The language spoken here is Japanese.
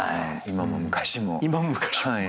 今も昔も。